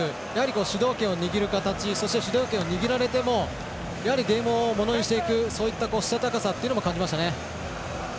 主導権を握る形そして、主導権を握られてもゲームをものにしていくしたたかさというのも感じましたね。